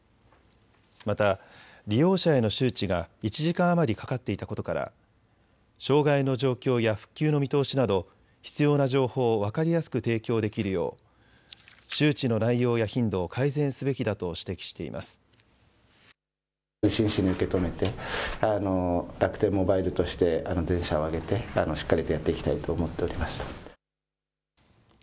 また利用者への周知が１時間余りかかっていたことから障害の状況や復旧の見通しなど必要な情報を分かりやすく提供できるよう周知の内容や頻度を改善すべきだと指摘しています。